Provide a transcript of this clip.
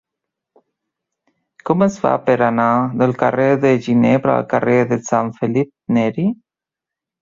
Com es fa per anar del carrer de Ginebra al carrer de Sant Felip Neri?